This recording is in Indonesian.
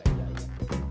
biar gak ngantuknya